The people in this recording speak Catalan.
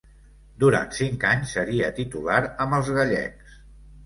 Durant cinc anys seria titular amb els gallecs.